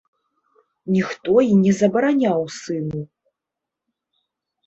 Ніхто і не забараняў сыну.